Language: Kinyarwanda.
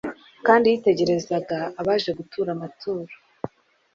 kandi yitegerezaga abaje gutura amaturo yabo.